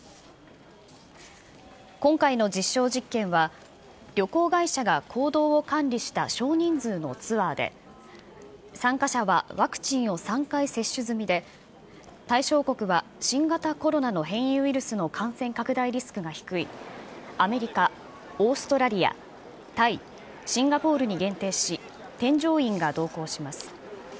今回の実証実験は、旅行会社が行動を管理した少人数のツアーで、参加者はワクチンを３回接種済みで、対象国は新型コロナの変異ウイルスの感染拡大リスクが低いアメリカ、オーストラリア、タイ、シンガポールに限定し、添乗員が同行します。